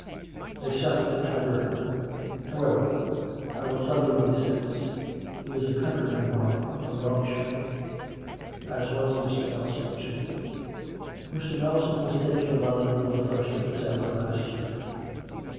They suffered at Tyburn. ... However^ I will tell you what he says. He is a countryman of mine, from Yorkshire; as was Mr. Nelson, too. "' Mr. Nelson was taken in London on the first of December last year.